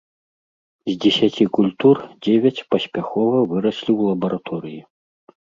З дзесяці культур дзевяць паспяхова выраслі ў лабараторыі.